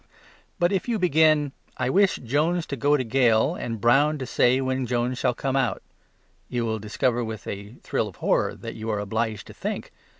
But if you begin "I wish Jones to go to gaol and Brown to say when Jones shall come out," you will discover, with a thrill of horror, that you are obliged to think.